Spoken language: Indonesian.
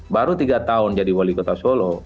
baru tiga tahun jadi wali kota solo